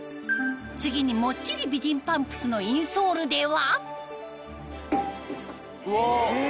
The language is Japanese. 次にもっちり美人パンプスのインソールではえ！